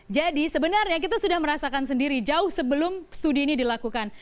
jadi sebenarnya kita sudah merasakan sendiri jauh sebelum studi ini dilakukan